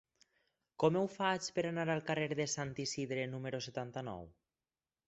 Com ho faig per anar al carrer de Sant Isidre número setanta-nou?